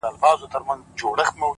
صبر وکړه لا دي زمانه راغلې نه ده _